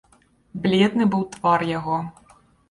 Бледны быў твар яго.